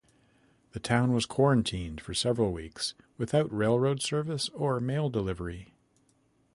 The town was quarantined for several weeks, without railroad service or mail delivery.